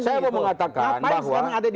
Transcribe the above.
saya mau mengatakan bahwa